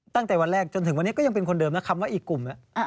ตั้งแต่วันแรกจนถึงวันนี้ก็ยังเป็นคนเดิมนะคำว่าอีกกลุ่ม